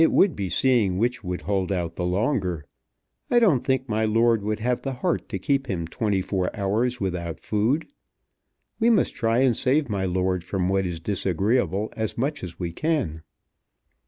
It would be seeing which would hold out the longer. I don't think my lord would have the heart to keep him twenty four hours without food. We must try and save my lord from what is disagreeable as much as we can."